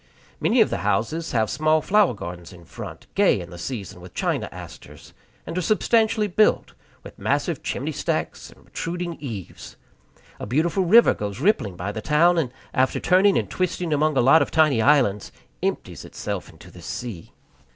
Many of the houses have small flower gardens in front, gay in the season with china asters, and are substantially built, with massive chimney stacks and protruding eaves. A beautiful river goes rippling by the town, and, after turning and twisting among a lot of tiny islands, empties itself into the sea.